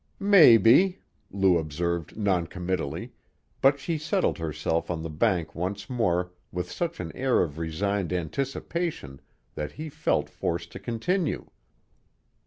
"Maybe," Lou observed non committally, but she settled herself on the bank once more with such an air of resigned anticipation that he felt forced to continue.